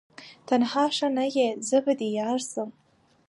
تنها ښه نه یې زه به دي یارسم